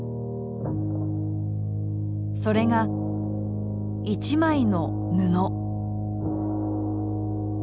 それが「一枚の布」。